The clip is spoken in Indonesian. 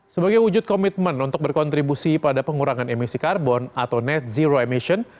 sebagai wujud komitmen untuk berkontribusi pada pengurangan emisi karbon atau net zero emission